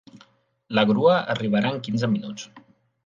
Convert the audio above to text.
La grua arribarà en quinze minuts.